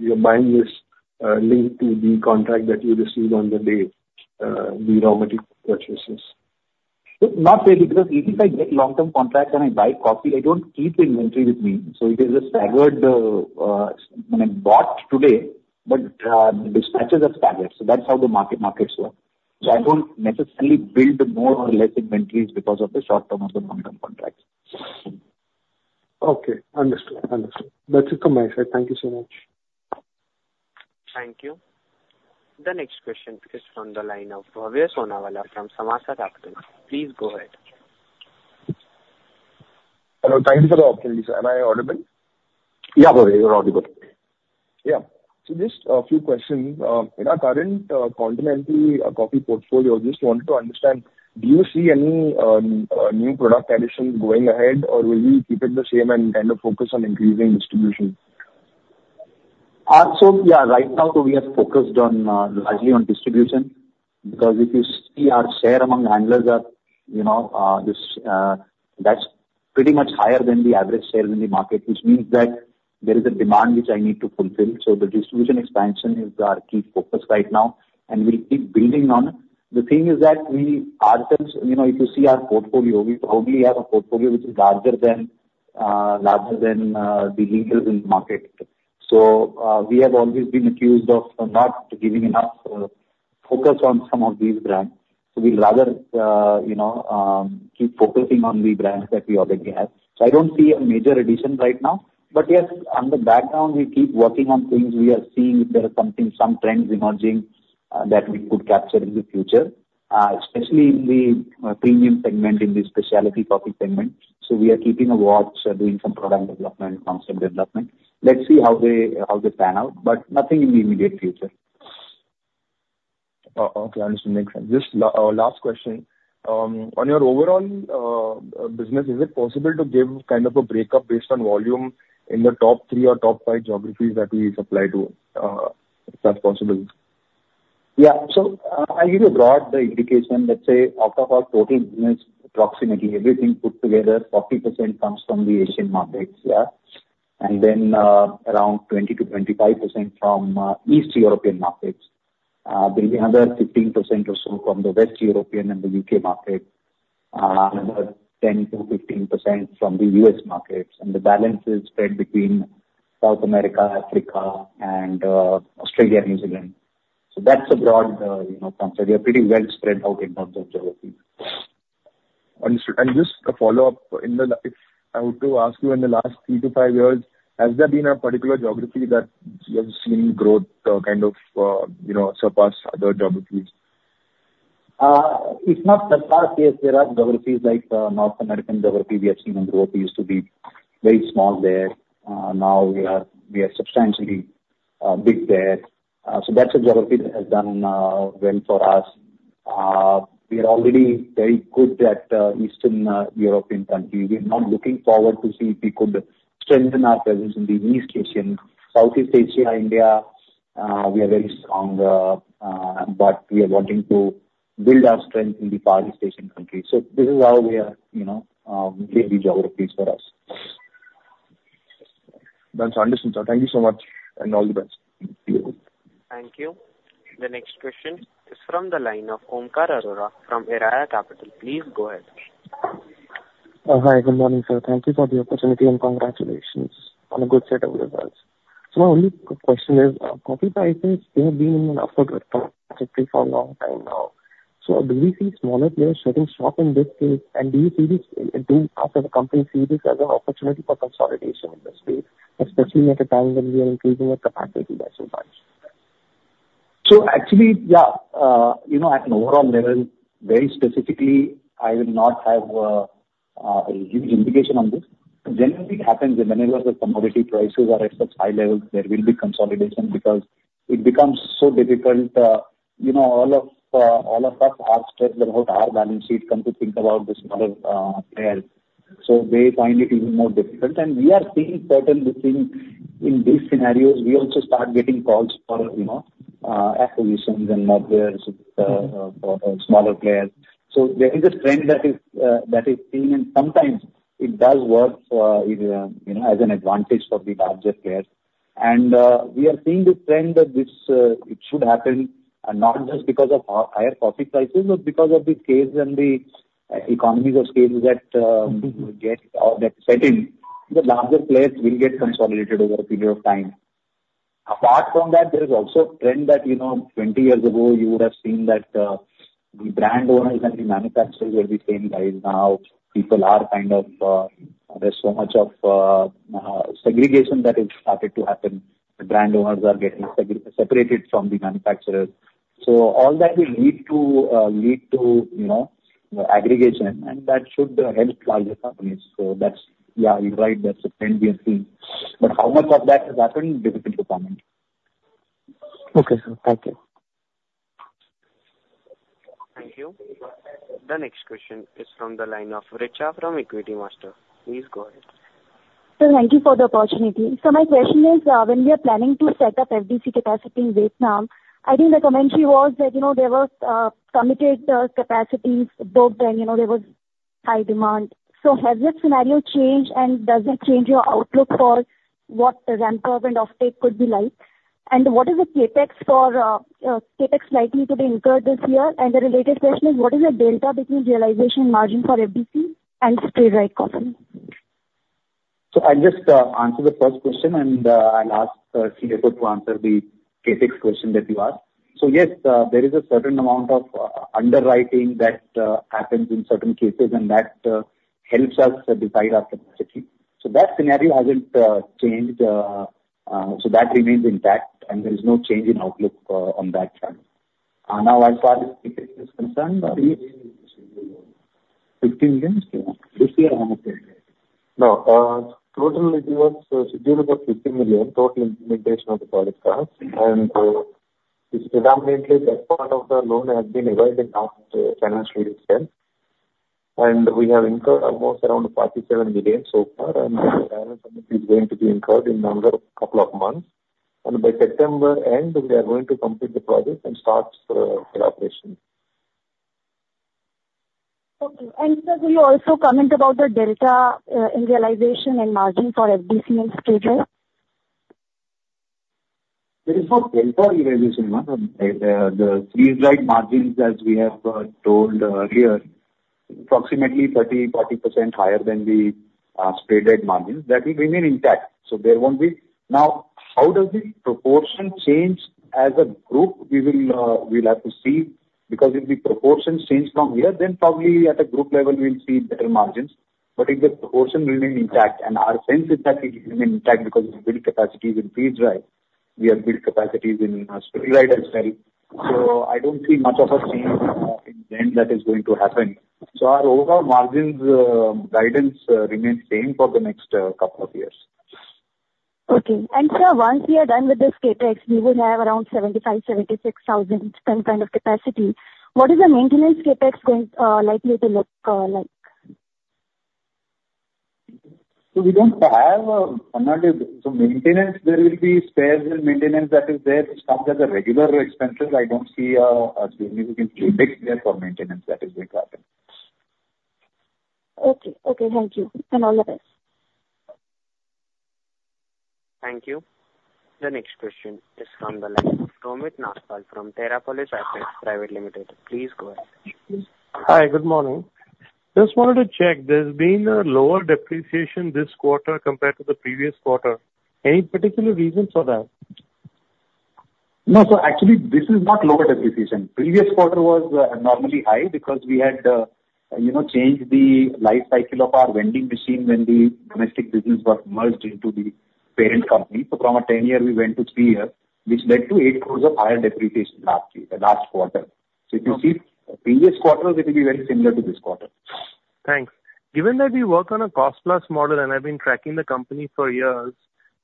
you're buying this linked to the contract that you receive on the day, the raw material purchases? Not really, because if I get long-term contract and I buy coffee, I don't keep inventory with me. So it is a staggered, when I bought today, but dispatches are staggered, so that's how the market, markets work. So I don't necessarily build more or less inventories because of the short-term or the long-term contracts. Okay, understood. Understood. That's it from my side. Thank you so much. Thank you. The next question is from the line of Bhavya Sonawala from Samaasa Capital. Please go ahead. Hello, thank you for the opportunity, sir. Am I audible? Yeah, Bhavya, you are audible. Yeah. Just a few questions. In our current Continental Coffee portfolio, just wanted to understand, do you see any new product additions going ahead? Or will you keep it the same and kind of focus on increasing distribution? So yeah, right now, so we are focused on largely on distribution, because if you see our share among handlers are, you know, this, that's pretty much higher than the average shares in the market, which means that there is a demand which I need to fulfill. So the distribution expansion is our key focus right now, and we'll keep building on it. The thing is that we, ourselves, you know, if you see our portfolio, we probably have a portfolio which is larger than larger than the leaders in the market. So we have always been accused of not giving enough focus on some of these brands. So we'd rather you know keep focusing on the brands that we already have. So I don't see a major addition right now, but yes, in the background, we keep working on things. We are seeing if there are something, some trends emerging, that we could capture in the future, especially in the premium segment, in the specialty coffee segment. So we are keeping a watch, doing some product development, concept development. Let's see how they, how they pan out, but nothing in the immediate future. Okay. Understood. Makes sense. Just last question. On your overall business, is it possible to give kind of a breakup based on volume in the top three or top five geographies that we supply to, if that's possible? Yeah. So, I'll give you a broad indication. Let's say, out of our total business, approximately everything put together, 40% comes from the Asian markets. Yeah. And then, around 20%-25% from East European markets. There is another 15% or so from the West European and the U.K. market. Another 10%-15% from the U.S. markets, and the balance is spread between South America, Africa and Australia and New Zealand. So that's a broad, you know, concept. We are pretty well spread out in terms of geography. Understood. Just a follow-up. I want to ask you, in the last 3-5 years, has there been a particular geography that you have seen growth, kind of, you know, surpass other geographies? It's not the past. Yes, there are geographies like, North American geography, we have seen in growth, it used to be very small there. Now we are, we are substantially big there. So that's a geography that has done well for us. We are already very good at Eastern European countries. We're now looking forward to see if we could strengthen our presence in the East Asian, Southeast Asia, India, we are very strong, but we are wanting to build our strength in the Southeast Asian countries. So this is how we are, you know, seeing the geographies for us. That's understood, sir. Thank you so much, and all the best. Thank you. The next question is from the line of Omkar Arora from Eraya Capital. Please go ahead. Hi. Good morning, sir. Thank you for the opportunity, and congratulations on a good set of results. So my only question is, coffee prices, they have been on an upward trajectory for a long time now. So do you see smaller players getting stuck in this space, and do you see this, as a company see this as an opportunity for consolidation in this space, especially at a time when we are increasing our capacity by so much? So actually, yeah. You know, at an overall level, very specifically, I will not have a huge indication on this. Generally, it happens that whenever the commodity prices are at such high levels, there will be consolidation because it becomes so difficult, you know, all of all of us are stressed about our balance sheet, come to think about the smaller players. So they find it even more difficult. And we are seeing certain within, in these scenarios, we also start getting calls for, you know, acquisitions and mergers, for smaller players. So there is a trend that is, that is seen, and sometimes it does work for, you know, as an advantage for the larger players. We are seeing this trend that this, it should happen, and not just because of higher coffee prices, but because of the scales and the economies of scales that set in, the larger players will get consolidated over a period of time. Apart from that, there is also a trend that, you know, 20 years ago you would have seen that, the brand owners and the manufacturers were the same guys. Now, people are kind of, there's so much of segregation that has started to happen. The brand owners are getting separated from the manufacturers. So all that will lead to, lead to, you know, aggregation, and that should help larger companies. So that's... Yeah, you're right, that's a trend we have seen. But how much of that has happened? Difficult to comment. Okay, sir. Thank you. Thank you. The next question is from the line of Richa from Equitymaster. Please go ahead. Sir, thank you for the opportunity. My question is, when we are planning to set up FDC capacity in Vietnam, I think the commentary was that, you know, there was committed capacities built and, you know, there was high demand. Has this scenario changed, and does it change your outlook for what the ramp-up and off-take could be like? And what is the CapEx likely to be incurred this year? And the related question is: what is the delta between realization margin for FDC and spray-dried coffee? So I'll just answer the first question, and I'll ask CFO to answer the CapEx question that you asked. So yes, there is a certain amount of underwriting that happens in certain cases, and that helps us to decide our capacity. So that scenario hasn't changed, so that remains intact, and there is no change in outlook on that front. Now, as far as CapEx is concerned, Fifteen million. Fifteen million? This year. No, total it was scheduled about INR 15 million, total implementation of the project cost. It's predominantly that part of the loan has been arrived in half financial year itself. And we have incurred almost around 47 million so far, and the balance is going to be incurred in another couple of months. And by September end, we are going to complete the project and start production. Okay. And sir, will you also comment about the delta in realization and margin for FDC and spray-dried, right? There is no delta realization, the spray-dried margins, as we have told earlier, approximately 30%-40% higher than the spray-dried margins. That will remain intact, so there won't be... Now, how does the proportion change as a group? We'll have to see, because if the proportion changes from here, then probably at a group level, we'll see better margins. But if the proportion remains intact, and our sense is that it will remain intact, because we build capacities in spray-dried, we have built capacities in spray-dried as well. So I don't see much of a change in trend that is going to happen. So our overall margins guidance remains same for the next couple of years. Okay. And sir, once we are done with this CapEx, we will have around 75,000-76,000 tons kind of capacity. What is the maintenance CapEx going likely to look like? So we don't have another. So maintenance, there will be spares and maintenance that is there, which comes as a regular expenses. I don't see a significant CapEx there for maintenance that is going to happen. Okay. Okay, thank you, and all the best. Thank you. The next question is from the line of Romit Nagpal from Terrapolis Asset Private Limited. Please go ahead. Hi, good morning. Just wanted to check, there's been a lower depreciation this quarter compared to the previous quarter. Any particular reason for that? No, so actually, this is not lower depreciation. Previous quarter was abnormally high because we had, you know, changed the life cycle of our vending machine when the domestic business was merged into the parent company. So from a 10-year, we went to 3 years, which led to 8 years of higher depreciation last year, the last quarter. Okay. If you see previous quarters, it will be very similar to this quarter. Thanks. Given that we work on a cost-plus model, and I've been tracking the company for years,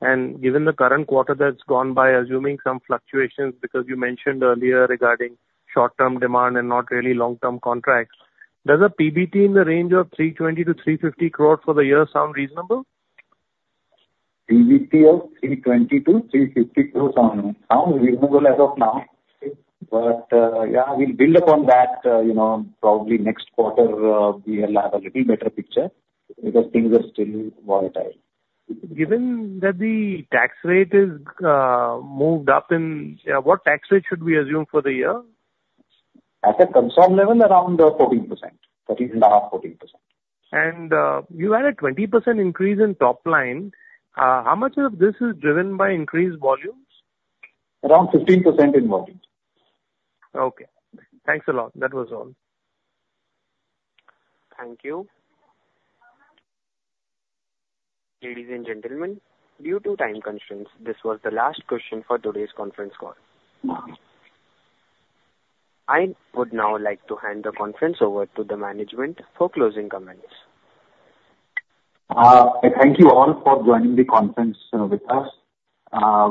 and given the current quarter that's gone by assuming some fluctuations, because you mentioned earlier regarding short-term demand and not really long-term contracts, does a PBT in the range of 320-350 crore for the year sound reasonable? PBT of 320-350 crore sounds reasonable as of now. Okay. But, yeah, we'll build upon that, you know, probably next quarter, we'll have a little better picture, because things are still volatile. Given that the tax rate is moved up in, what tax rate should we assume for the year? At a consortium level, around 14%, 13.5%-14%. You had a 20% increase in top line. How much of this is driven by increased volumes? Around 15% in volumes. Okay. Thanks a lot. That was all. Thank you. Ladies and gentlemen, due to time constraints, this was the last question for today's conference call. I would now like to hand the conference over to the management for closing comments. I thank you all for joining the conference with us.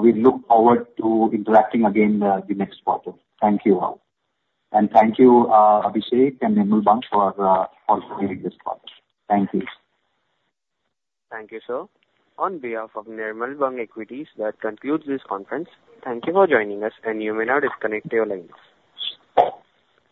We look forward to interacting again the next quarter. Thank you all. Thank you, Abhishek and Nirmal Bang for also doing this quarter. Thank you. Thank you, sir. On behalf of Nirmal Bang Equities, that concludes this conference. Thank you for joining us, and you may now disconnect your lines.